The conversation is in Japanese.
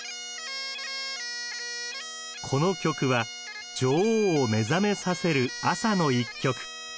この曲は女王を目覚めさせる朝の１曲。